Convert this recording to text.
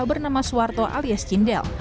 bernama suwarto alias cindel